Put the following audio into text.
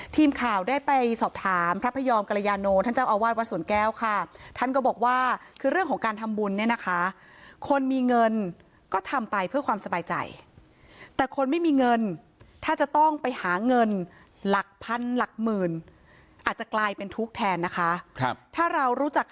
ทีมข่าวได้ไปสอบถามพระพยอมกรยานโนท่านเจ้าอาวาสวรรค์แก้วค่ะ